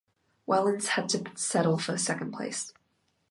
Wellens had to settle for second place.